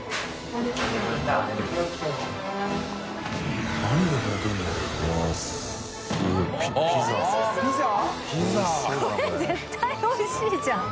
これ絶対おいしいじゃん。